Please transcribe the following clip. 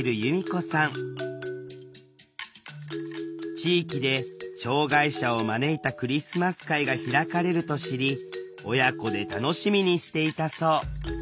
地域で障害者を招いたクリスマス会が開かれると知り親子で楽しみにしていたそう。